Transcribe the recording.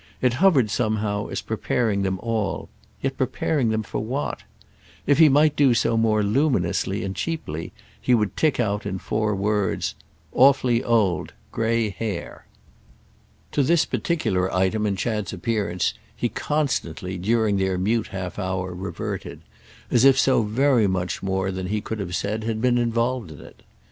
It hovered somehow as preparing them all—yet preparing them for what? If he might do so more luminously and cheaply he would tick out in four words: "Awfully old—grey hair." To this particular item in Chad's appearance he constantly, during their mute half hour, reverted; as if so very much more than he could have said had been involved in it.